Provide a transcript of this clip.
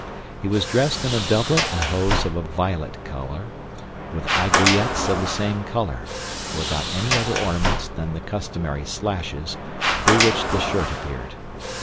He was dressed in a doublet and hose of a violet color, with aiguillettes of the same color, without any other ornaments than the customary slashes, through which the shirt appeared.